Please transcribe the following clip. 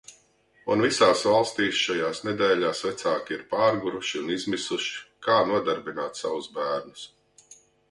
Un visās valstīs šajās nedēļās vecāki ir pārguruši un izmisuši, kā nodarbināt savus bērnus.